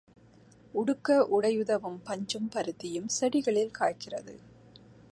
உடுக்க உடை உதவும் பஞ்சும் பருத்தியும் செடிகளில் காய்க்கிறது.